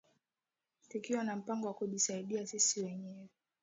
tukiwa na mpango wa kujisaidia sisi wenyewe